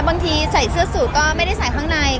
บางทีใส่เสื้อสูตรก็ไม่ได้ใส่ข้างใน